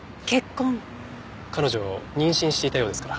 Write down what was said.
彼女妊娠していたようですから。